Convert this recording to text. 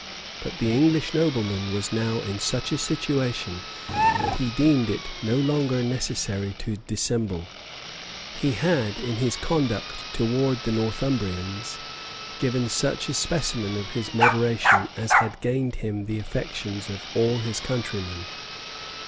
But the English nobleman was now in such a situation, that he deemed it no longer necessary to dissemble. He had, in his conduct towards the Northumbrians, given such a specimen of his moderation as had gained him the affections of his countrymen.